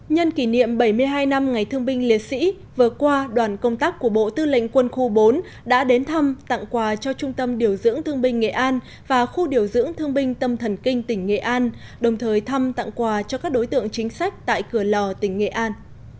nhân kỷ niệm bảy mươi hai năm ngày thương binh liệt sĩ vừa qua đoàn công tác của bộ tư lệnh quân khu bốn đã đến thăm tặng quà cho trung tâm điều dưỡng thương binh nghệ an và khu điều dưỡng thương binh tâm thần kinh tỉnh nghệ an đồng thời thăm tặng quà cho các đối tượng chính sách tại cửa lò tỉnh nghệ an